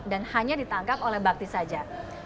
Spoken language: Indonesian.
dan hanya ditangkap oleh bakti saja